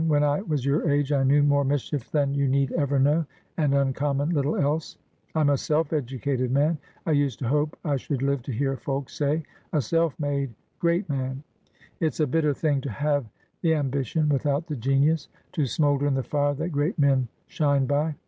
"When I was your age, I knew more mischief than you need ever know, and uncommon little else. I'm a self educated man,—I used to hope I should live to hear folk say a self made Great Man. It's a bitter thing to have the ambition without the genius, to smoulder in the fire that great men shine by!